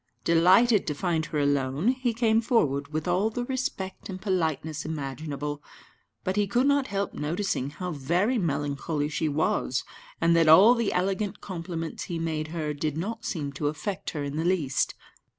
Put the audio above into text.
Delighted to find her alone, he came forward with all the respect and politeness imaginable. But he could not help noticing how very melancholy she was, and that all the elegant compliments he made her did not seem to affect her in the least.